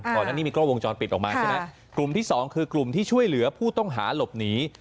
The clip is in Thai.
ตอนนั้นนี่มีกล้องวงจรปิดออกมาใช่ไหมกลุ่มที่สองคือกลุ่มที่ช่วยเหลือผู้ต้องหาหลบหนี